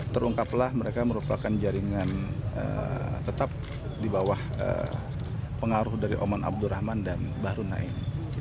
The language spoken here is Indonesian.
terungkaplah mereka merupakan jaringan tetap di bawah pengaruh dari oman abdurrahman dan bahru naim